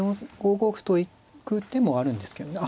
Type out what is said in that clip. ５五歩と行く手もあるんですけどね。